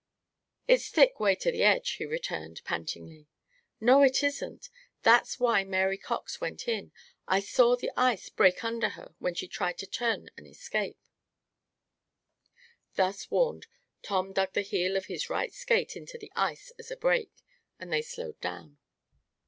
"It's thick 'way to the edge," he returned, pantingly. "No, it isn't. That's why Mary Cox went in. I saw the ice break under her when she tried to turn and escape." Thus warned, Tom dug the heel of his right skate into the ice as a brake, and they slowed down.